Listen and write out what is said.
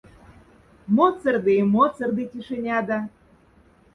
Моцорфты и моцорфты тишеняда.